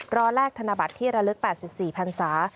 แลกธนบัตรที่ระลึก๘๔พันศา